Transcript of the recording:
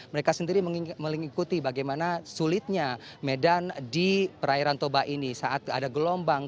mereka sendiri mengikuti bagaimana sulitnya medan di perairan toba ini saat ada gelombang